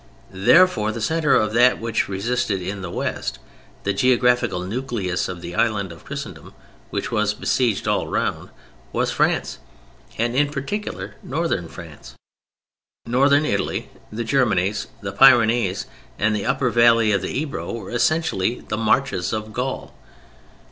Therefore, the centre of that which resisted in the West, the geographical nucleus of the island of Christendom, which was besieged all round, was France, and in particular Northern France. Northern Italy, the Germanies, the Pyrenees and the upper valley of the Ebro were essentially the marches of Gaul.